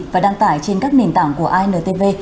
và đăng tải trên các nền tảng của intv